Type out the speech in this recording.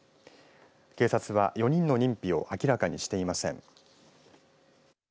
警察は４人の認否を明らかにしていません。